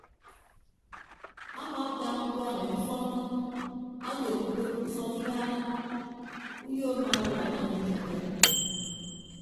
Amaata ñkuak anye ifọnnọ anyeghe ukod ufọn ibagha uyo amaawaaña anye ke itọñ.